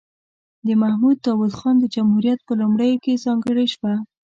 د محمد داود خان د جمهوریت په لومړیو کې ځانګړې شوه.